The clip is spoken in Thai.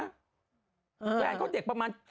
แฟนเขาเด็กประมาณ